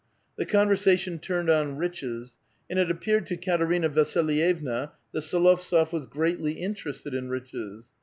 The conversation turnod on riches, and it ap peared to Katerina Vasilyevna that S6lovtsof was greatly interested in riches.